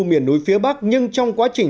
miền núi phía bắc nhưng trong quá trình